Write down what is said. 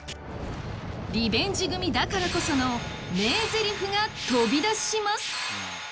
リベンジ組だからこその名ぜりふが飛び出します！